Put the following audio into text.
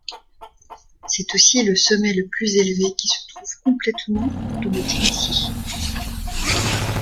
C'est aussi le sommet le plus élevé qui se trouve complètement dans le Tennessee.